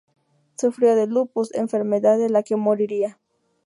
Sufrió de lupus, enfermedad de la que moriría.